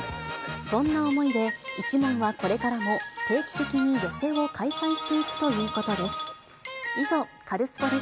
そんな思いで、一門はこれからも定期的に寄席を開催していくということです。